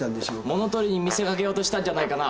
物盗りに見せかけようとしたんじゃないかな。